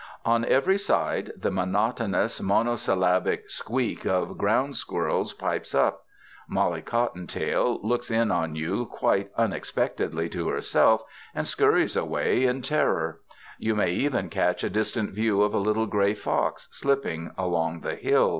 On every side the monotonous monosyllabic squeak of ground squirrels pipes up; Mollie Cottontail looks in on you quite unexpect edly to herself, and scurries away in terror; you may even catch a distant view of a little gray fox slipping along the hills.